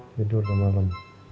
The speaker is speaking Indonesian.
tidur udah malem